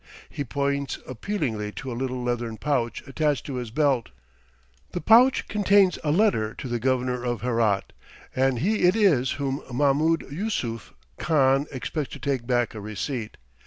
He points appealingly to a little leathern pouch attached to his belt. The pouch contains a letter to the Governor of Herat, and he it is whom Mahmoud Yusuph Khan expects to take back a receipt.